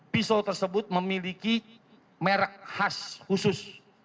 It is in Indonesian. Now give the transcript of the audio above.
pisau tersebut memiliki merek khas khusus